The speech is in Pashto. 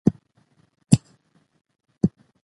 خو میلمه پالنه هم پیسې غواړي.